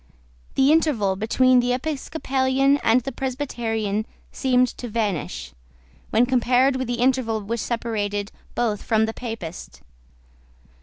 The interval between the Episcopalian and the Presbyterian seemed to vanish, when compared with the interval which separated both from the Papist.